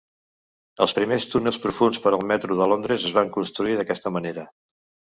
Els primers túnels profunds per al metro de Londres es van construir d'aquesta manera.